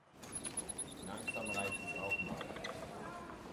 Langsam reicht es auch mal!